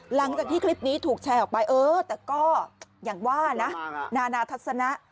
หลังจากที่คลิปนี้ถูกแชร์ออกไปเออแต่ก็อย่างว่านะนานาทัศนะ